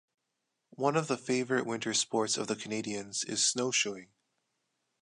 One of the favorite winter sports of the Canadians is snowshoeing.